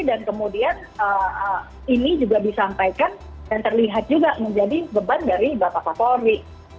dan kemudian ini juga disampaikan dan terlihat juga menjadi beban dari bapak pak polri